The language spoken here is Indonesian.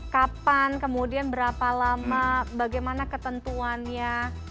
kapan kemudian berapa lama bagaimana ketentuannya